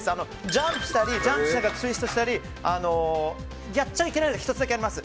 ジャンプしたりジャンプしながらツイストしたりやっちゃいけないことが１つだけあります。